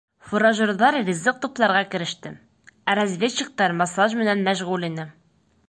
Фуражерҙар ризыҡ тупларға кереште, ә разведчиктар массаж менән мәшғүл ине.